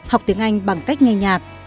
học tiếng anh bằng cách nghe nhạc